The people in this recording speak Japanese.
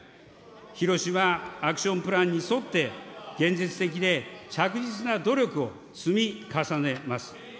ヒロシマ・アクション・プランに沿って、現実的で着実な努力を積み重ねます。